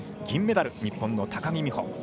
銀メダル、日本の高木美帆。